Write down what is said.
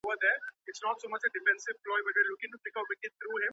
مرکزي کتابتون په زوره نه تحمیلیږي.